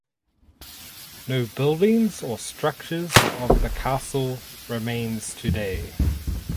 No buildings or structures of the castle remains today.